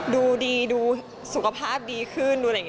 ดูดีดูสุขภาพดีขึ้น